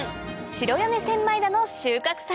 白米千枚田の収穫祭。